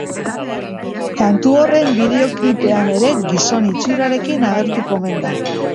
Kantu horren bideoklipean ere gizon itxurarekin agertuko omen da.